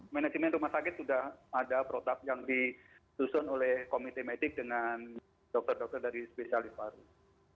manajemen rumah sakit sudah ada protap yang disusun oleh komite medik dengan dokter dokter dari spesialis paru